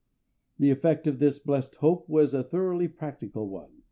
The effect of this blessed hope was a thoroughly practical one.